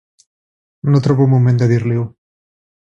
No trobo el moment de dir-li-ho.